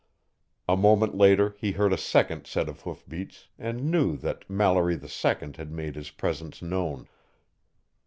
A moment later he heard a second set of hoofbeats and knew that Mallory II had made his presence known.